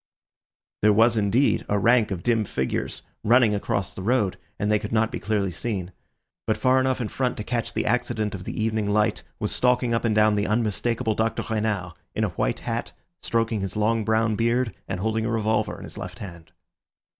There was, indeed, a rank of dim figures running across the road, and they could not be clearly seen; but far enough in front to catch the accident of the evening light was stalking up and down the unmistakable Dr. Renard, in a white hat, stroking his long brown beard, and holding a revolver in his left hand.